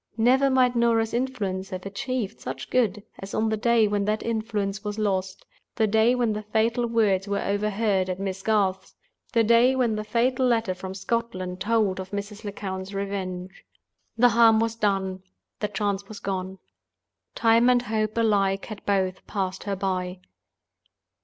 Never might Norah's influence have achieved such good as on the day when that influence was lost—the day when the fatal words were overheard at Miss Garth's—the day when the fatal letter from Scotland told of Mrs. Lecount's revenge. The harm was done; the chance was gone. Time and Hope alike had both passed her by.